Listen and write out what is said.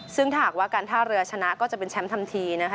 ซึ่งหากว่าการท่าเรือชนะก็จะเป็นแชมป์ทันทีนะคะ